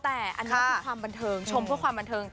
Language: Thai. แต่อันนี้คือความบันเทิงชมเพื่อความบันเทิง